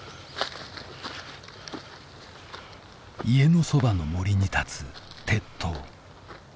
家のそばの森に建つ鉄塔。